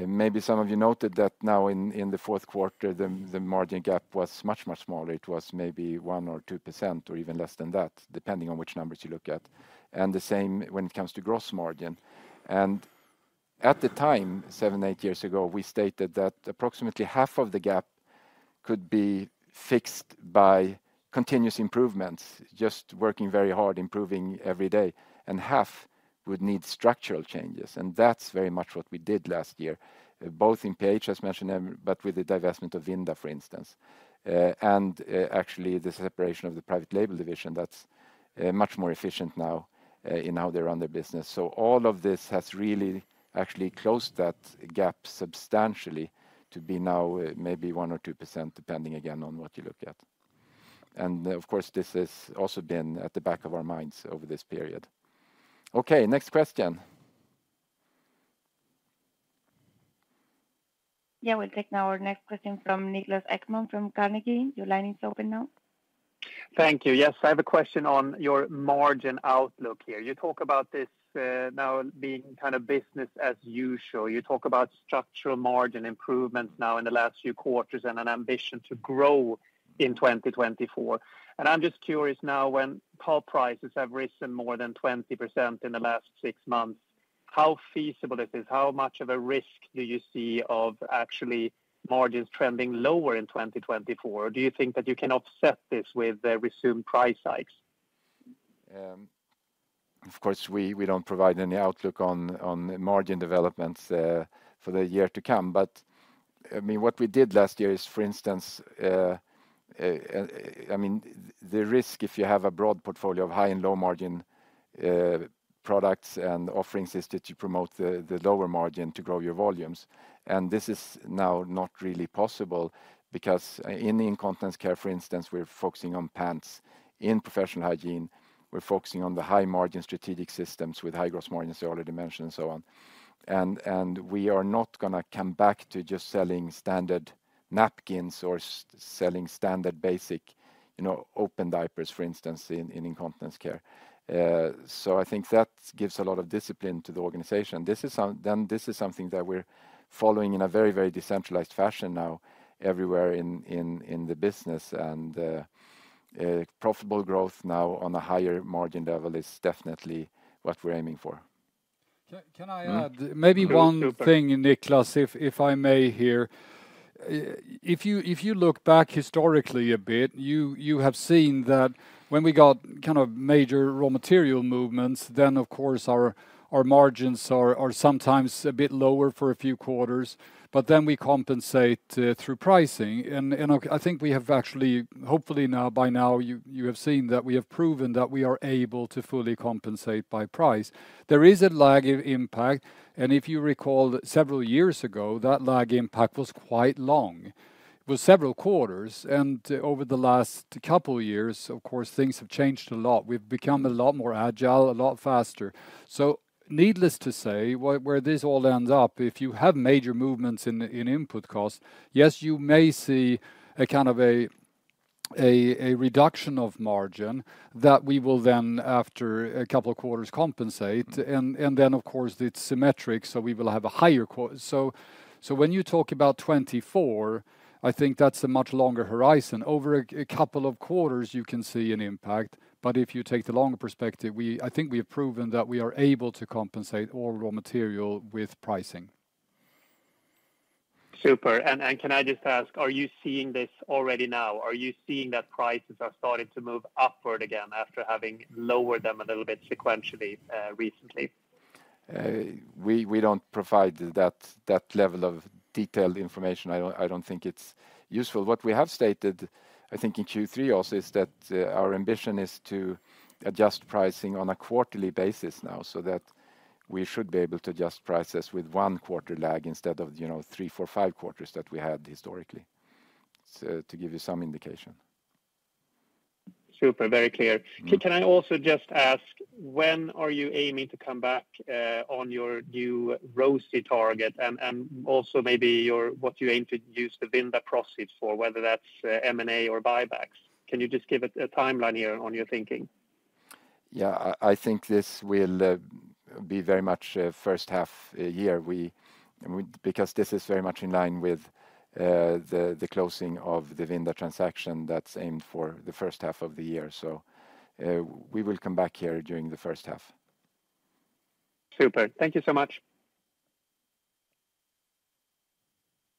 maybe some of you noted that now in the fourth quarter, the margin gap was much, much smaller. It was maybe 1 or 2%, or even less than that, depending on which numbers you look at, and the same when it comes to gross margin. At the time, seven or eight years ago, we stated that approximately half of the gap could be fixed by continuous improvements, just working very hard, improving every day, and half would need structural changes. That's very much what we did last year, both in PH, as mentioned earlier, but with the divestment of Vinda, for instance. Actually, the separation of the private label division, that's much more efficient now in how they run their business. So all of this has really actually closed that gap substantially to be now maybe 1% or 2%, depending again on what you look at. Of course, this has also been at the back of our minds over this period. Okay, next question. Yeah, we'll take now our next question from Niklas Ekman, from Carnegie. Your line is open now. Thank you. Yes, I have a question on your margin outlook here. You talk about this, now being kind of business as usual. You talk about structural margin improvements now in the last few quarters and an ambition to grow in 2024. I'm just curious now, when pulp prices have risen more than 20% in the last six months, how feasible this is? How much of a risk do you see of actually margins trending lower in 2024? Do you think that you can offset this with resumed price hikes? Of course, we don't provide any outlook on the margin developments for the year to come. But, I mean, what we did last year is, for instance, I mean, the risk if you have a broad portfolio of high and low margin products and offerings is that you promote the lower margin to grow your volumes. And this is now not really possible because in Incontinence Care, for instance, we're focusing on pants. In Professional Hygiene, we're focusing on the high-margin strategic systems with high gross margins I already mentioned, and so on. And we are not gonna come back to just selling standard napkins or selling standard basic, you know, open diapers, for instance, in Incontinence Care. So I think that gives a lot of discipline to the organization. This is something that we're following in a very, very decentralized fashion now, everywhere in the business. Profitable growth now on a higher margin level is definitely what we're aiming for. Can I add- Mm-hmm. Maybe one thing, Niklas, if I may here? If you look back historically a bit, you have seen that when we got kind of major raw material movements, then of course, our margins are sometimes a bit lower for a few quarters, but then we compensate through pricing. And I think we have actually, hopefully now, by now, you have seen that we have proven that we are able to fully compensate by price. There is a lag impact, and if you recall, several years ago, that lag impact was quite long, with several quarters. And over the last couple of years, of course, things have changed a lot. We've become a lot more agile, a lot faster. So needless to say, where this all ends up, if you have major movements in input costs, yes, you may see a kind of a reduction of margin that we will then, after a couple of quarters, compensate. And then, of course, it's symmetric, so we will have a higher quarter. So when you talk about 2024, I think that's a much longer horizon. Over a couple of quarters, you can see an impact, but if you take the longer perspective, we, I think we have proven that we are able to compensate all raw material with pricing. Super. And can I just ask, are you seeing this already now? Are you seeing that prices are starting to move upward again after having lowered them a little bit sequentially, recently? We don't provide that level of detailed information. I don't think it's useful. What we have stated, I think in Q3 also, is that our ambition is to adjust pricing on a quarterly basis now, so that we should be able to adjust prices with one quarter lag instead of, you know, three, four, five quarters that we had historically. So to give you some indication. Super, very clear. Mm. Can I also just ask, when are you aiming to come back on your new ROCE target? And also maybe what you aim to use the Vinda proceeds for, whether that's M&A or buybacks. Can you just give a timeline here on your thinking? Yeah. I think this will be very much first half year. Because this is very much in line with the closing of the Vinda transaction that's aimed for the first half of the year. So, we will come back here during the first half. Super. Thank you so much.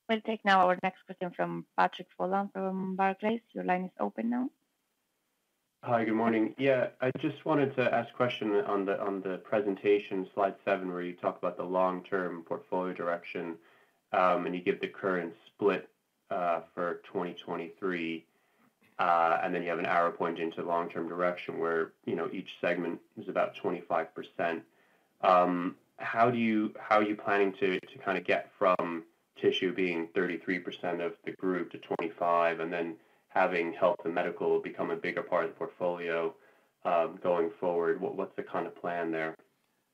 We'll take now our next question from Patrick Folan from Barclays. Your line is open now. Hi, good morning. Yeah, I just wanted to ask question on the presentation, slide seven, where you talk about the long-term portfolio direction, and you give the current split for 2023. And then you have an arrow pointing to the long-term direction, where, you know, each segment is about 25%. How do you- how are you planning to kind of get from tissue being 33% of the group to 25%, and then having Health & Medical become a bigger part of the portfolio going forward? What's the kind of plan there?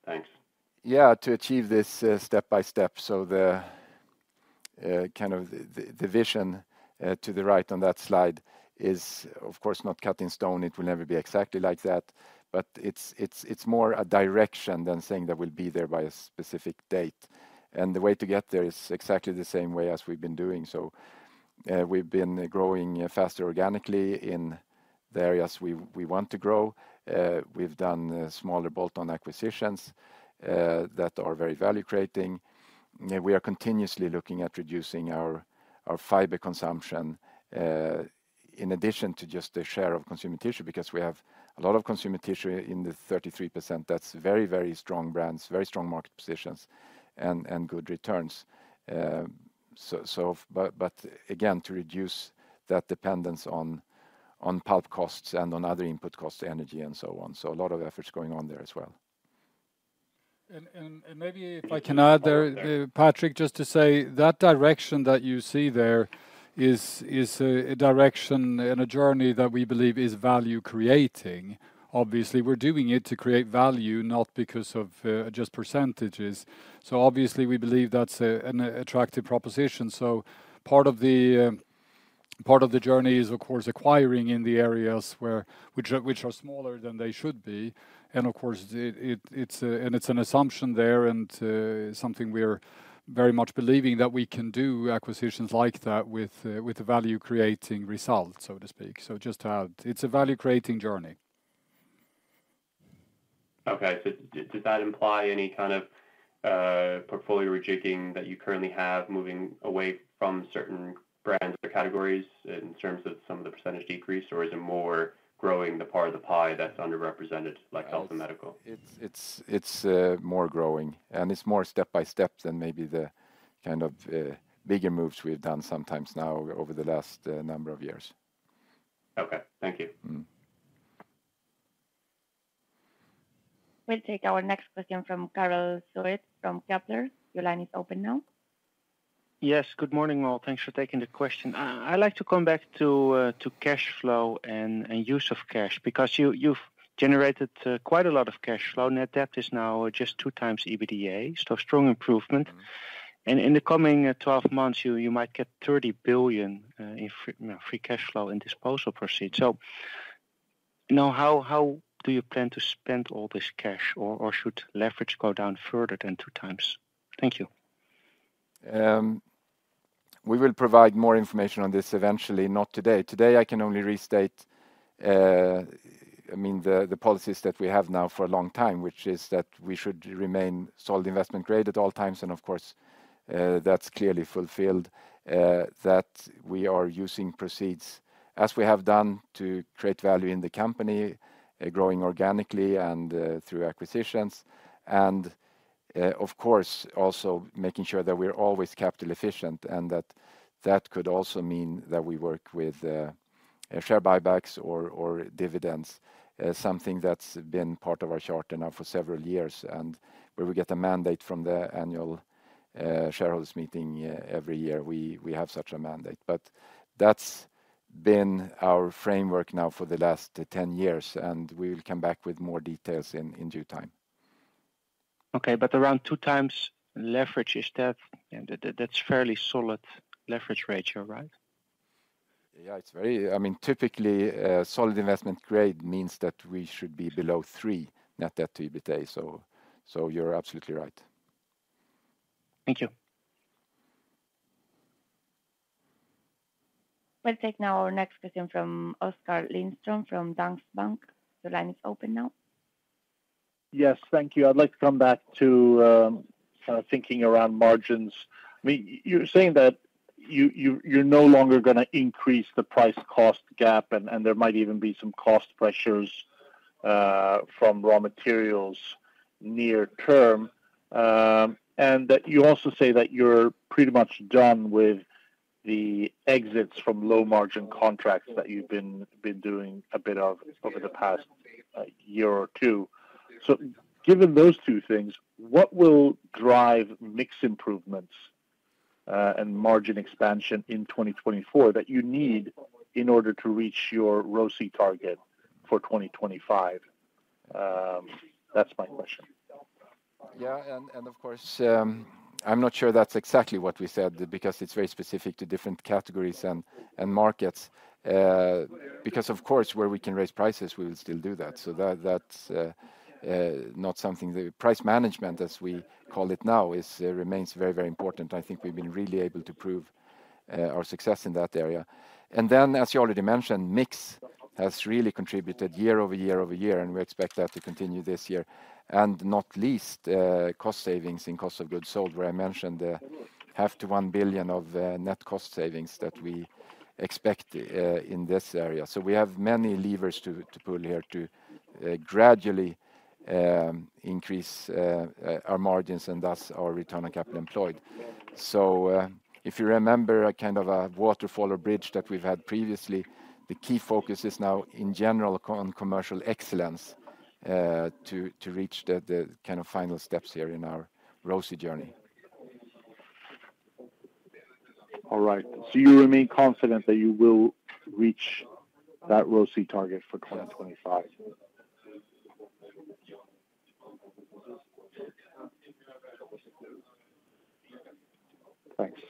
Thanks. Yeah. To achieve this, step by step. So, kind of, the vision to the right on that slide is, of course, not cut in stone. It will never be exactly like that, but it's more a direction than saying that we'll be there by a specific date. And the way to get there is exactly the same way as we've been doing. So, we've been growing faster organically in the areas we want to grow. We've done smaller bolt-on acquisitions that are very value-creating. We are continuously looking at reducing our fiber consumption in addition to just the share of Consumer Tissue, because we have a lot of Consumer Tissue in the 33%. That's very, very strong brands, very strong market positions, and good returns. So, so... But again, to reduce that dependence on pulp costs and on other input costs, energy and so on. So a lot of efforts going on there as well. Maybe if I can add there, Patrick, just to say that direction that you see there is a direction and a journey that we believe is value-creating. Obviously, we're doing it to create value, not because of just percentages. So obviously, we believe that's an attractive proposition. So part of the journey is, of course, acquiring in the areas which are smaller than they should be. And of course, it's an assumption there, and something we're very much believing that we can do acquisitions like that with the value-creating results, so to speak. So just to add, it's a value-creating journey.... Okay, so does that imply any kind of portfolio rejiggering that you currently have, moving away from certain brands or categories in terms of some of the percentage decrease? Or is it more growing the part of the pie that's underrepresented, like Health & Medical? It's more growing, and it's more step-by-step than maybe the kind of bigger moves we've done sometimes now over the last number of years. Okay. Thank you. Mm-hmm. We'll take our next question from Karel Zoete from Kepler. Your line is open now. Yes, good morning, all. Thanks for taking the question. I'd like to come back to, to cash flow and, and use of cash, because you, you've generated, quite a lot of cash flow. Net debt is now just 2x EBITDA, so strong improvement. Mm-hmm. In the coming 12 months, you might get 30 billion in free cash flow and disposal proceeds. So, now, how do you plan to spend all this cash? Or should leverage go down further than 2x? Thank you. We will provide more information on this eventually, not today. Today, I can only restate. I mean, the policies that we have now for a long time, which is that we should remain solid investment grade at all times, and of course, that's clearly fulfilled. That we are using proceeds as we have done to create value in the company, growing organically and through acquisitions. And of course, also making sure that we're always capital efficient, and that that could also mean that we work with share buybacks or dividends. Something that's been part of our chart now for several years, and where we get a mandate from the annual shareholders meeting every year, we have such a mandate. But that's been our framework now for the last 10 years, and we will come back with more details in due time. Okay, but around 2x leverage, is that... That's fairly solid leverage ratio, right? Yeah, it's very—I mean, typically, solid investment grade means that we should be below three net debt to EBITDA, so you're absolutely right. Thank you. We'll take now our next question from Oskar Lindström, from Danske Bank. Your line is open now. Yes. Thank you. I'd like to come back to kind of thinking around margins. I mean, you're saying that you're no longer going to increase the price-cost gap, and there might even be some cost pressures from raw materials near term. And that you also say that you're pretty much done with the exits from low-margin contracts that you've been doing a bit of over the past year or two. So given those two things, what will drive mix improvements and margin expansion in 2024 that you need in order to reach your ROCE target for 2025? That's my question. Yeah, and of course, I'm not sure that's exactly what we said, because it's very specific to different categories and markets. Because, of course, where we can raise prices, we will still do that. So that's not something... The price management, as we call it now, remains very, very important. I think we've been really able to prove our success in that area. And then, as you already mentioned, mix has really contributed year-over-year, and we expect that to continue this year. And not least, cost savings in cost of goods sold, where I mentioned the 0.5 billion-1 billion of net cost savings that we expect in this area. So we have many levers to pull here to gradually increase our margins and thus our return on capital employed. So, if you remember a kind of a waterfall or bridge that we've had previously, the key focus is now in general on commercial excellence, to reach the kind of final steps here in our ROCE journey. All right. So you remain confident that you will reach that ROCE target for 2025? Thanks.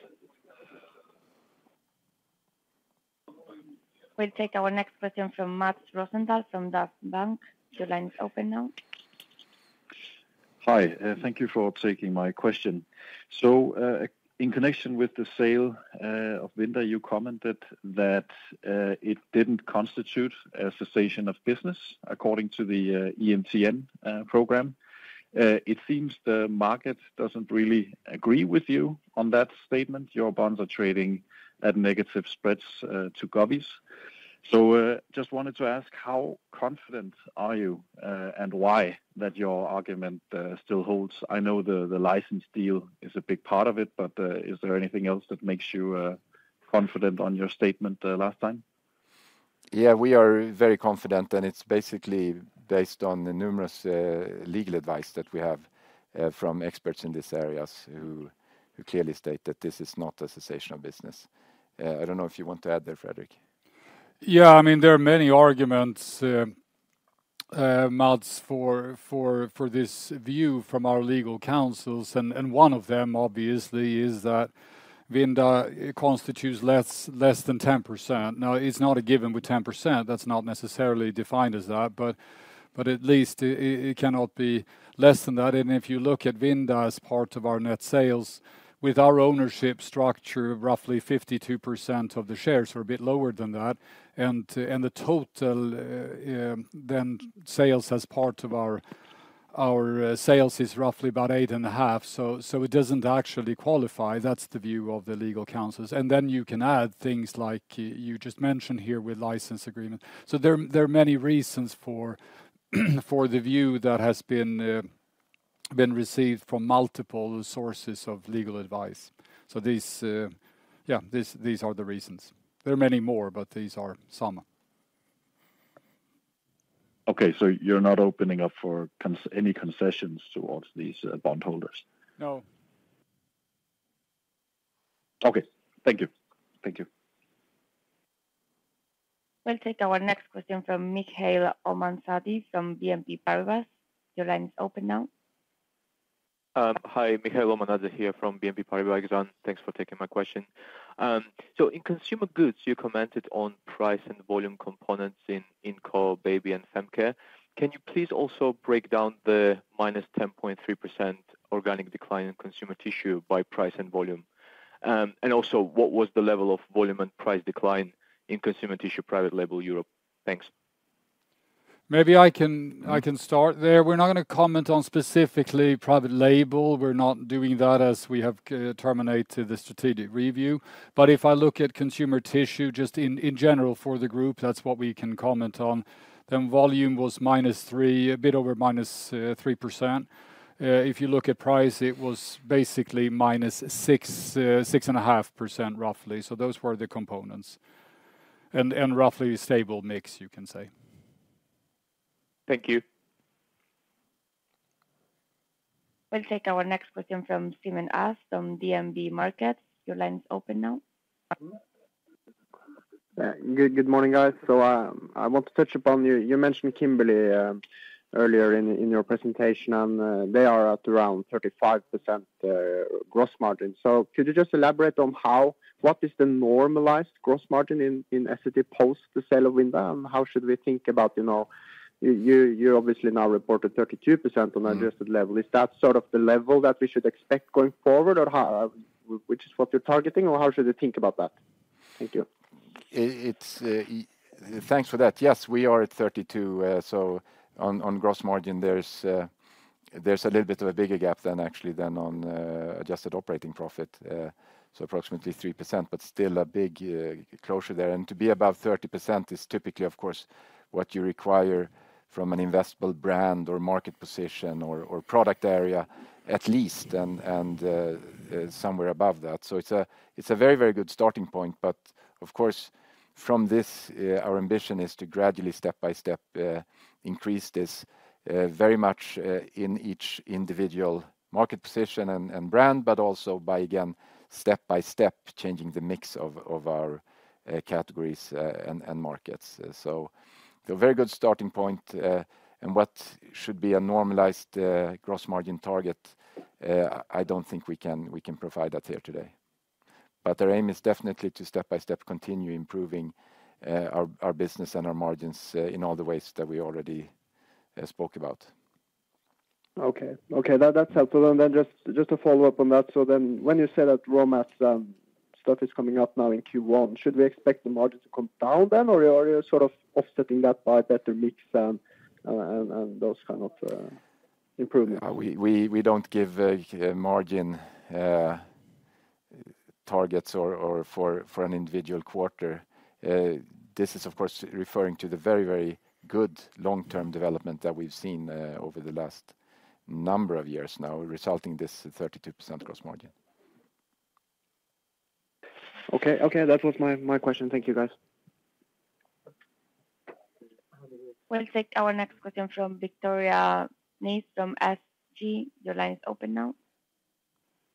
We'll take our next question from Mads Rosendal, from Danske Bank. Your line is open now. Hi, thank you for taking my question. So, in connection with the sale of Vinda, you commented that it didn't constitute a cessation of business, according to the EMTN program. It seems the market doesn't really agree with you on that statement. Your bonds are trading at negative spreads to govies. So, just wanted to ask, how confident are you and why that your argument still holds? I know the license deal is a big part of it, but is there anything else that makes you confident on your statement last time? Yeah, we are very confident, and it's basically based on the numerous legal advice that we have from experts in these areas, who clearly state that this is not a cessation of business. I don't know if you want to add there, Fredrik. Yeah, I mean, there are many arguments, Mads, for this view from our legal counsels, and one of them, obviously, is that Vinda constitutes less than 10%. Now, it's not a given with 10%, that's not necessarily defined as that, but at least it cannot be less than that. And if you look at Vinda as part of our net sales, with our ownership structure, roughly 52% of the shares were a bit lower than that. And the total then sales as part of our sales is roughly about 8.5, so it doesn't actually qualify. That's the view of the legal counsels. And then you can add things like you just mentioned here with license agreement. So there are many reasons for the view that has been received from multiple sources of legal advice. So these are the reasons. There are many more, but these are some. Okay, so you're not opening up for any concessions towards these bondholders? No. Okay. Thank you. Thank you. We'll take our next question from Mikheil Omanadze from BNP Paribas. Your line is open now. Hi, Mikheil Omanadze here from BNP Paribas Exane. Thanks for taking my question. So in Consumer Goods, you commented on price and volume components in core Baby and Femcare. Can you please also break down the -10.3% organic decline in Consumer Tissue by price and volume? And also, what was the level of volume and price decline in Consumer Tissue, private label Europe? Thanks. Maybe I can- Mm-hmm... I can start there. We're not gonna comment on specifically private label. We're not doing that as we have terminated the strategic review. But if I look at Consumer Tissue, just in general for the group, that's what we can comment on, then volume was -3%, a bit over -3%. If you look at price, it was basically -6.5%, roughly. So those were the components. And roughly stable mix, you can say. Thank you. We'll take our next question from Simen Aas from DNB Markets. Your line is open now. Good morning, guys. So, I want to touch upon you. You mentioned Kimberly earlier in your presentation, and they are at around 35% gross margin. So could you just elaborate on how, what is the normalized gross margin in Essity post the sale of Vinda? And how should we think about, you know, you obviously now reported 32% on- Mm-hmm... adjusted level. Is that sort of the level that we should expect going forward? Or how, which is what you're targeting, or how should we think about that? Thank you. It's thanks for that. Yes, we are at 32, so on, on gross margin, there's, there's a little bit of a bigger gap than actually than on, adjusted operating profit, so approximately 3%, but still a big, closure there. And to be above 30% is typically, of course, what you require from an investable brand or market position or, or product area, at least, and, and, somewhere above that. So it's a, it's a very, very good starting point, but of course, from this, our ambition is to gradually, step by step, increase this, very much, in each individual market position and, and brand, but also by, again, step by step, changing the mix of, of our, categories, and, and markets. So a very good starting point, and what should be a normalized, gross margin target, I don't think we can, we can provide that here today. But our aim is definitely to, step by step, continue improving, our, our business and our margins, in all the ways that we already, spoke about. Okay. Okay, that's helpful. And then just to follow up on that, so then when you say that raw mats stuff is coming up now in Q1, should we expect the margin to come down then? Or are you sort of offsetting that by better mix and those kind of improvements? We don't give margin targets or for an individual quarter. This is, of course, referring to the very, very good long-term development that we've seen over the last number of years now, resulting this 32% gross margin. Okay. Okay, that was my, my question. Thank you, guys. We'll take our next question from Victoria Nice from SG. Your line is open now.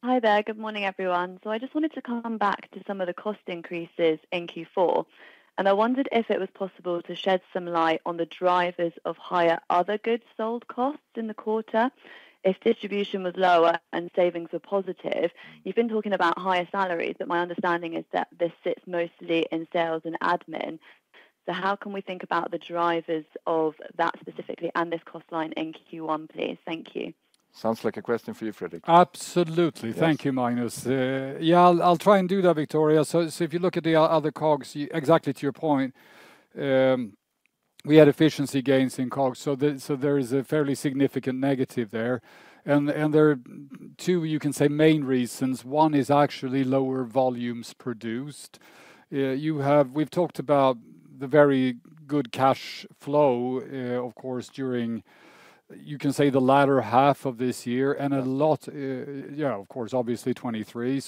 Hi there. Good morning, everyone. I just wanted to come back to some of the cost increases in Q4, and I wondered if it was possible to shed some light on the drivers of higher cost of goods sold costs in the quarter, if distribution was lower and savings were positive. You've been talking about higher salaries, but my understanding is that this sits mostly in sales and admin. So how can we think about the drivers of that specifically and this cost line in Q1, please? Thank you. Sounds like a question for you, Fredrik. Absolutely. Yes. Thank you, Magnus. Yeah, I'll, I'll try and do that, Victoria. So, so if you look at the other COGS, exactly to your point, we had efficiency gains in COGS, so there is a fairly significant negative there. And there are two, you can say, main reasons. One is actually lower volumes produced. We've talked about the very good cash flow, of course, during, you can say, the latter half of this year- Yes... and a lot, yeah, of course, obviously 2023.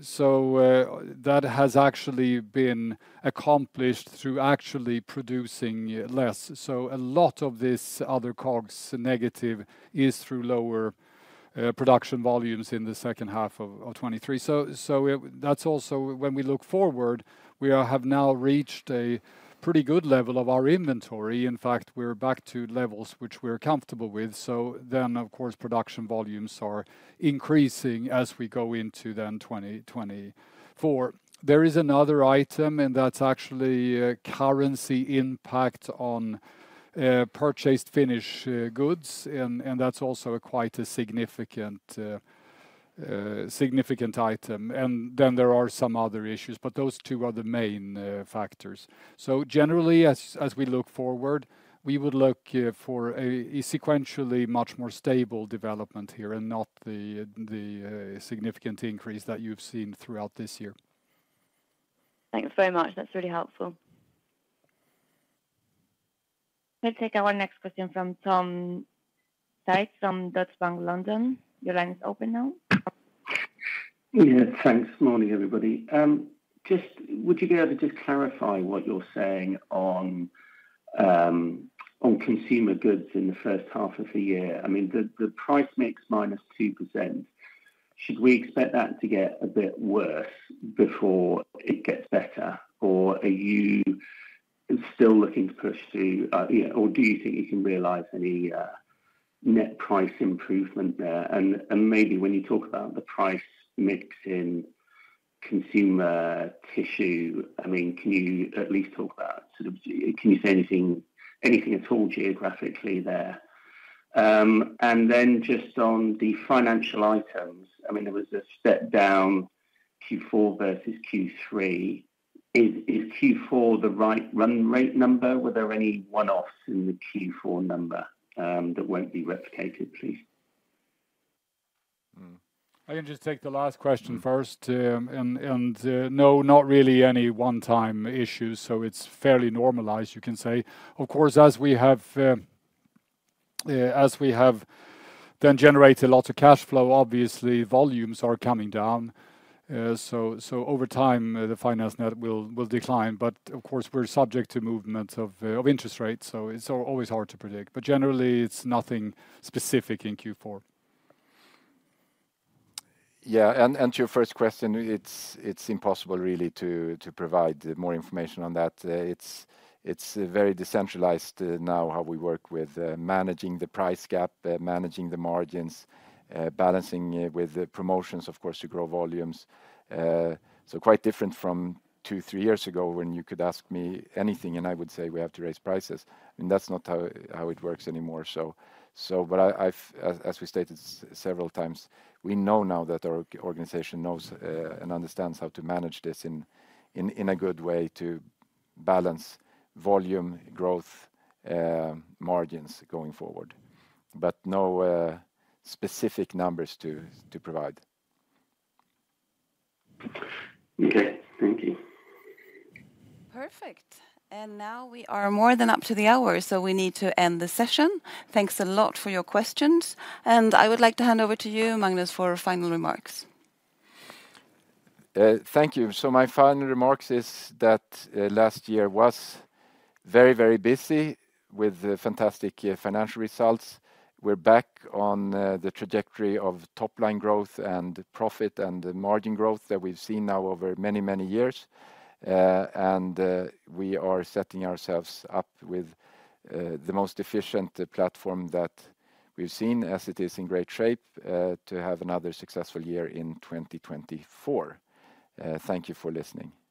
So, that has actually been accomplished through actually producing less. So a lot of this other COGS negative is through lower production volumes in the second half of 2023. So, that's also when we look forward, we are have now reached a pretty good level of our inventory. In fact, we're back to levels which we're comfortable with. So then, of course, production volumes are increasing as we go into then 2024. There is another item, and that's actually a currency impact on purchased finished goods, and that's also quite a significant significant item, and then there are some other issues, but those two are the main factors. So generally, as we look forward, we would look for a sequentially much more stable development here, and not the significant increase that you've seen throughout this year. Thanks very much. That's really helpful. We'll take our next question from Tom Sykes from Deutsche Bank, London. Your line is open now. Yeah, thanks. Morning, everybody. Just would you be able to just clarify what you're saying on, on Consumer Goods in the first half of the year? I mean, the price mix minus 2%, should we expect that to get a bit worse before it gets better? Or are you still looking to push through, you know... Or do you think you can realize any, net price improvement there? And maybe when you talk about the price mix in Consumer Tissue, I mean, can you at least talk about—Can you say anything, anything at all geographically there? And then just on the financial items, I mean, there was a step down Q4 versus Q3. Is Q4 the right run rate number? Were there any one-offs in the Q4 number, that won't be replicated, please? I can just take the last question first, and no, not really any one-time issues, so it's fairly normalized, you can say. Of course, as we have then generated a lot of cash flow, obviously volumes are coming down. So over time, the finance net will decline, but of course, we're subject to movement of interest rates, so it's always hard to predict. But generally, it's nothing specific in Q4. Yeah, and to your first question, it's impossible really to provide more information on that. It's very decentralized now, how we work with managing the price gap, managing the margins, balancing it with the promotions, of course, to grow volumes. So quite different from two-three years ago when you could ask me anything, and I would say, "We have to raise prices." I mean, that's not how it works anymore. So but I— As we stated several times, we know now that our organization knows and understands how to manage this in a good way to balance volume growth, margins going forward, but no specific numbers to provide. Okay. Thank you. Perfect. And now we are more than up to the hour, so we need to end the session. Thanks a lot for your questions, and I would like to hand over to you, Magnus, for final remarks. Thank you. So my final remarks is that, last year was very, very busy with, fantastic, financial results. We're back on, the trajectory of top-line growth and profit and the margin growth that we've seen now over many, many years. And, we are setting ourselves up with, the most efficient platform that we've seen as it is in great shape, to have another successful year in 2024. Thank you for listening. Thank you.